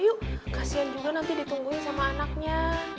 yuk kasihan juga nanti ditungguin sama anaknya